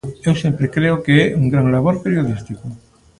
Eu sempre creo que é un gran labor periodístico.